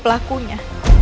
tapi ratu aja